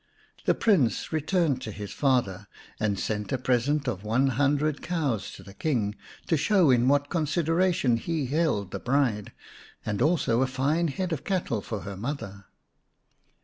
The Prince returned to his father, and sent a present of one hundred cows to the King, to show in what consideration he held the bride, and also a fine head of cattle for her mother.